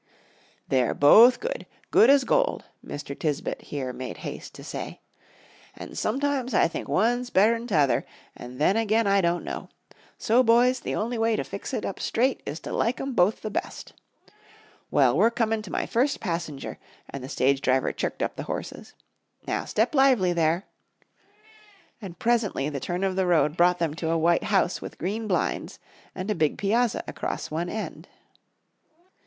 "They're both good; good as gold," Mr. Tisbett here made haste to say. "An' sometimes I think one's better'n t'other, an' then again I don't know. So, boys, the only way to fix it up straight is to like 'em both best. Well, we're comin' to my first passenger," and the stage driver chirked up the horses. "Now step lively there." And presently the turn of the road brought them to a white house with green blinds and a big piazza across one end.